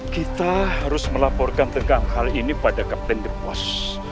kita harus melaporkan tentang hal ini pada kapten depos